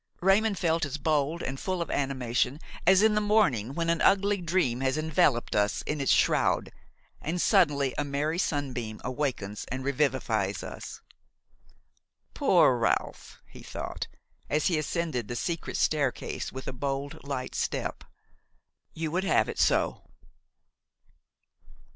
Raymon felt as bold and full of animation as in the morning, when an ugly dream has enveloped us in its shroud and suddenly a merry sunbeam awakens and revivifies us. "Poor Ralph!" he thought as he ascended the secret staircase with a bold, light step, "you would have it so!"